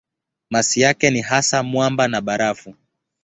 Masi yake ni hasa mwamba na barafu.